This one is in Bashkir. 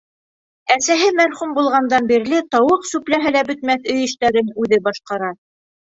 Әсәһе мәрхүм булғандан бирле тауыҡ сүпләһә лә бөтмәҫ өй эштәрен үҙе башҡара.